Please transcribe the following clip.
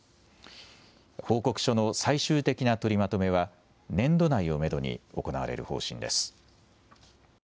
報告書の最終的な取りまとめは年度内をめどに行われる方針です。